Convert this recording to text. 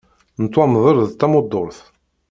Tettwamḍel d tamuddurt.